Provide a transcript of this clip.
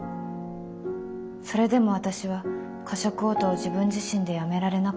それでも私は過食嘔吐を自分自身でやめられなかった。